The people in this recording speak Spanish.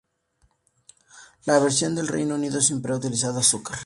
La versión del Reino Unido siempre ha utilizado azúcar.